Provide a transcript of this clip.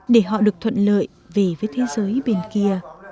để họ được thuận lợi về với thế giới bên kia